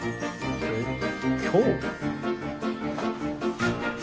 えっ今日？